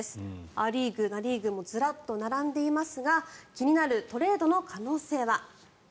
ア・リーグ、ナ・リーグずらっと並んでいますが気になるトレードの可能性は？